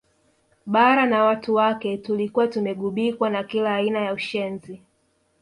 Bara na watu wake tulikuwa tumeghubikwa na kila aina ya ushenzi